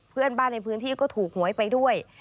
เพื่อนบ้านในพื้นที่ก็ถูกหวยไปด้วย